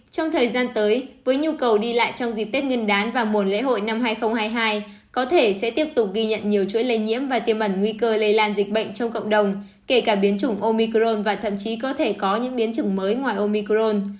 trong thời gian tới với nhu cầu đi lại trong dịp tết nguyên đán và mùa lễ hội năm hai nghìn hai mươi hai có thể sẽ tiếp tục ghi nhận nhiều chuỗi lây nhiễm và tiêm ẩn nguy cơ lây lan dịch bệnh trong cộng đồng kể cả biến chủng omicron và thậm chí có thể có những biến chứng mới ngoài omicrone